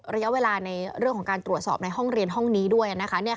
ระยะเวลาในเรื่องของการตรวจสอบในห้องเรียนห้องนี้ด้วยนะคะ